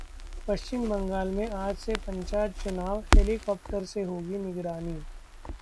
पश्चिम बंगाल में आज से पंचायत चुनाव, हेलीकॉप्टर से होगी निगरानी